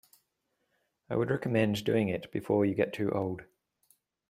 I would recommend doing it before you get too old.